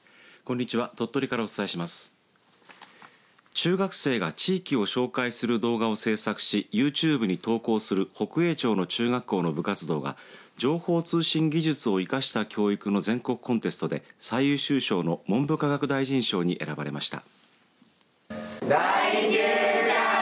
中学生が地域を紹介する動画を制作しＹｏｕＴｕｂｅに投稿する北栄町の中学校の部活動が情報通信技術を生かした教育の全国コンテストで最優秀賞の文部科学大臣賞に選ばれました。